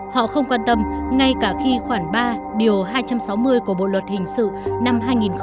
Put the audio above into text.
họ không quan tâm ngay cả khi khoảng ba điều hai trăm sáu mươi của bộ luật hình sự năm hai nghìn một mươi năm